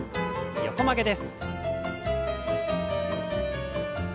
横曲げです。